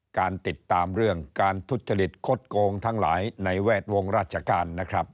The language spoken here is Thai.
การติดตามเรื่องการทุจริตคดโกงทั้งหลายในแวดวงราชการนะครับ